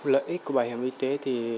lợi ích của bảo hiểm y tế